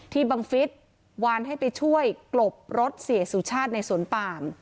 บังฟิศวานให้ไปช่วยกลบรถเสียสุชาติในสวนปาม